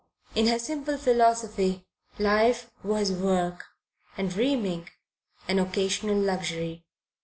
In her simple philosophy life was work, and dreaming an occasional luxury.